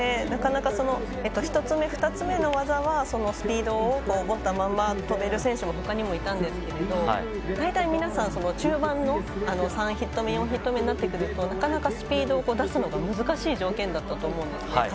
なかなか、１つ目２つ目の技はスピードを持ったままとべる選手はほかにもいたんですけれど大体、皆さん中盤の３ヒット目、４ヒット目になるとなかなかスピードを出すのが難しい条件だったと思うんですね。